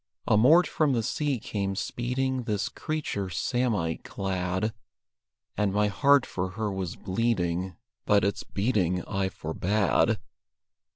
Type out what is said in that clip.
Amort from the sea came speeding This creature samite clad; And my heart for her was bleeding, But its beating I forbade.